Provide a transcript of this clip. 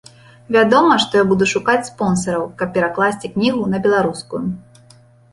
Вядома, што я буду шукаць спонсараў, каб перакласці кнігу на беларускую.